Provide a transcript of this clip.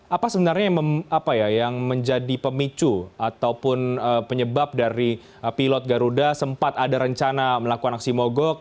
apa sebenarnya yang menjadi pemicu ataupun penyebab dari pilot garuda sempat ada rencana melakukan aksi mogok